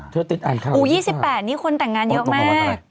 ถ้าติดอ่านค่ะวัน๒๘นี่คนแต่งงานเยอะมากตั้งวันวันอะไร